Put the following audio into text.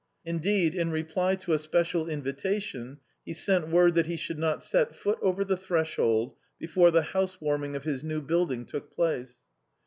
Indeed, in reply to a special invitation, he sent word that he should not set foot over the threshold before the house warming of his new building took place.